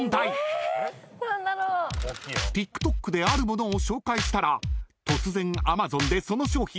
［ＴｉｋＴｏｋである物を紹介したら突然Ａｍａｚｏｎでその商品が１位に］